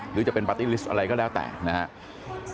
หรือจะเป็นปาร์ตี้ลิสต์อะไรก็แล้วแต่นะครับ